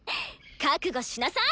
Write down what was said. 覚悟しなさい！